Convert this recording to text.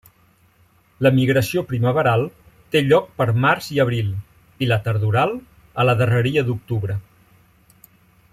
L'emigració primaveral té lloc per març i abril, i la tardoral a la darreria d'octubre.